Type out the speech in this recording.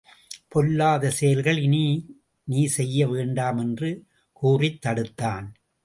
பொல்லாத செயல்கள் இனி நீ செய்ய வேண்டாம் என்று கூறித் தடுத்தான்.